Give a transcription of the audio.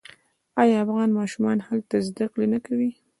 آیا افغان ماشومان هلته زده کړې نه کوي؟